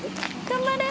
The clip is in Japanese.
頑張れ！